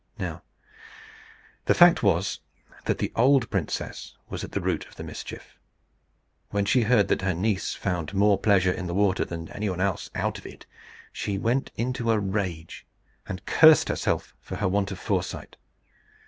Now the fact was that the old princess was at the root of the mischief. When she heard that her niece found more pleasure in the water than anyone else out of it, she went into a rage, and cursed herself for her want of foresight.